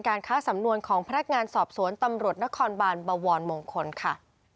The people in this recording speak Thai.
ค้าสำนวนของพนักงานสอบสวนตำรวจนครบานบวรมงคลค่ะ